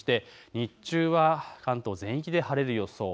日中は関東全域で晴れる予想。